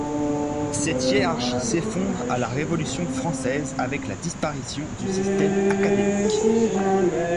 Cette hiérarchie s'effondre à la Révolution française, avec la disparition du système académique.